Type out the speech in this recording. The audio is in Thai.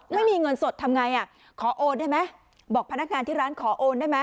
ไม่มีเงินสดทำไงอ่ะขอโอนได้ไหมบอกพนักงานที่ร้านขอโอนได้ไหม